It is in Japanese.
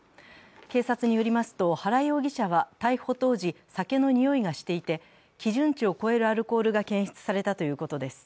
警察によりますと、原容疑者は逮捕当時、酒のにおいがしていて、基準値を超えるアルコールが検出されたということです。